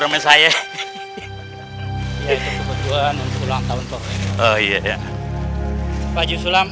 bahan reket paul